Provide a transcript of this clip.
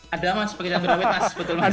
ada mas pakai cabai rawit mas betul mas